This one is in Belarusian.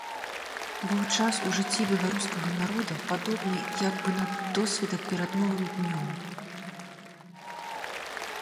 Быў час у жыцці беларускага народа, падобны як бы на досвітак перад новым днём.